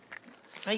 はい。